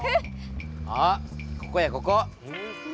あっここやここ。